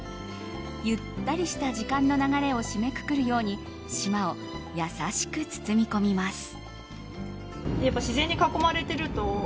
ゆったりした時間の流れを締めくくるように島を優しく包み込みます。